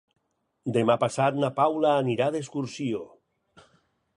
Demà passat na Paula anirà d'excursió.